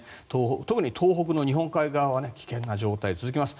特に東北の日本海側は危険な状態が続きます。